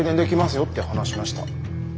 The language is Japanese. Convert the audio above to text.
よって話しました。